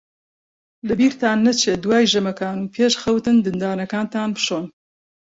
لەبیرتان نەچێت دوای ژەمەکان و پێش خەوتن ددانەکانتان بشۆن.